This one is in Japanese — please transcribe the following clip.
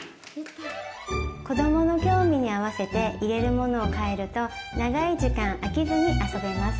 子どもの興味に合わせて入れるものを変えると長い時間飽きずに遊べます。